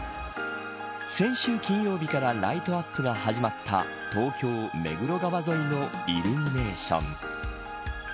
先週金曜日からライトアップが始まった東京、目黒川沿いのイルミネーション。